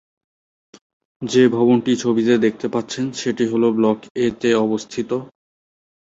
যে ভবনটি ছবিতে দেখতে পাচ্ছেন সেটি হল ব্লক এ তে অবস্থিত।